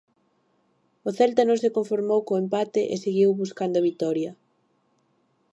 O Celta non se conformou co empate e seguiu buscando a vitoria.